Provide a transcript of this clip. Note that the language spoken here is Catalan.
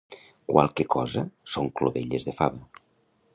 Qualque cosa són clovelles de fava.